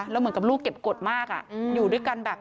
แล้วเหมือนกับลูกเก็บกฎมากอยู่ด้วยกันแบบ